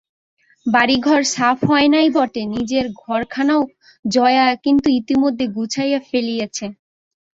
বাড়িঘর সাফ হয় নাই বটে, নিজের ঘরখানা জয়া কিন্তু ইতিমধ্যে গুছাইয়া ফেলিয়াছে।